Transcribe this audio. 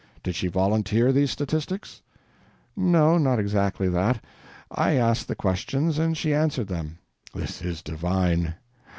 "Did she volunteer these statistics?" "No, not exactly that. I asked the questions and she answered them." "This is divine.